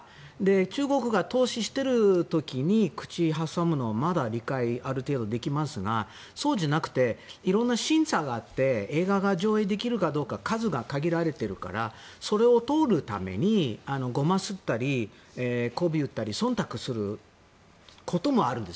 中国が投資している時に口を挟むのはまだ理解、ある程度できますがそうじゃなくて色んな審査があって映画が上映できるかどうか数が限られているからそれを通るためにゴマをすったりこびを売ったりそんたくすることもあるんです。